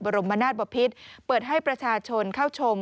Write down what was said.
รมนาศบพิษเปิดให้ประชาชนเข้าชม